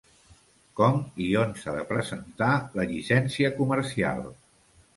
Com i on s'ha de presentar la Llicència Comercial?